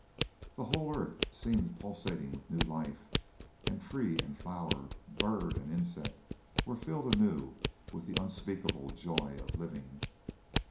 The whole earth seemed pulsating with new life, and tree and flower, bird and insect were filled anew with the unspeakable joy of living.